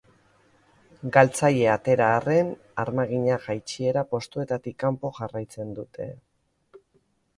Galtzaile atera arren, armaginak jaitsiera postuetatik kanpo jarraitzen dute.